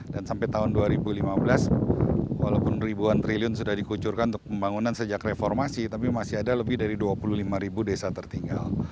sampai tahun dua ribu lima belas walaupun ribuan triliun sudah dikucurkan untuk pembangunan sejak reformasi tapi masih ada lebih dari dua puluh lima ribu desa tertinggal